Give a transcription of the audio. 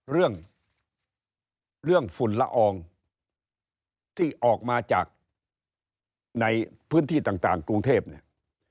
เรื่องเรื่องฝุ่นละอองที่ออกมาจากในพื้นที่ต่างกรุงเทพเนี่ย